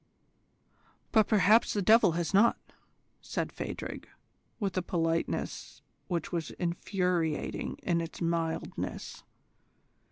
"But perhaps the devil has not," said Phadrig, with a politeness which was infuriating in its mildness.